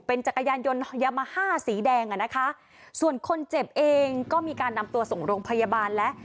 จักรยานยนต์ยามาฮ่าสีแดงอ่ะนะคะส่วนคนเจ็บเองก็มีการนำตัวส่งโรงพยาบาลแล้ว